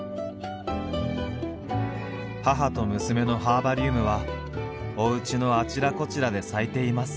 母と娘のハーバリウムはおうちのあちらこちらで咲いています。